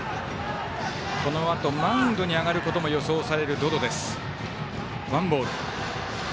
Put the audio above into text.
このあとマウンドに上がることも予想される百々です。